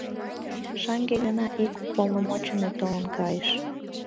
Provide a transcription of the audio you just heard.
Шаҥге гына ик уполномоченный толын кайыш.